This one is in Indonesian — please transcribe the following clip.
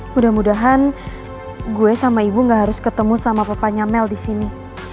mudah mudahan gue sama ibu gak harus ketemu sama papanya mel di sini